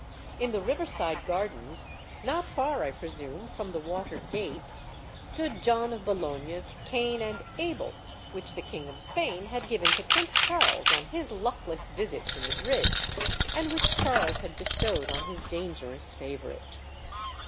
In the riverside gardens not far, I presume, from the water gate stood John of Bologna's "Cain and Abel," which the King of Spain had given to Prince Charles on his luckless visit to Madrid, and which Charles had bestowed on his dangerous favourite.